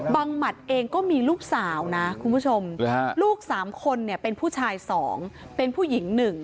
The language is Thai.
หมัดเองก็มีลูกสาวนะคุณผู้ชมลูก๓คนเป็นผู้ชาย๒เป็นผู้หญิง๑